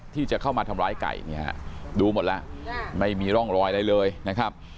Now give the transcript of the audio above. ที่จะเข้ามาทำร้ายไก่เนี่ยฮะดูหมดแล้วไม่มีร่องรอยอะไรเลยนะครับ